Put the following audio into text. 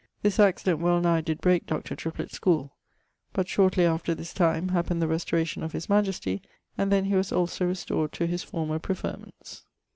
This accident well nigh did breake Dr. Triplett's schoole. But shortly after this time, happened the restauration of his majestie, and then he was also restored to his former preferments.